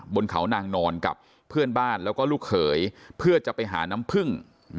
บนเขานางนอนกับเพื่อนบ้านแล้วก็ลูกเขยเพื่อจะไปหาน้ำผึ้ง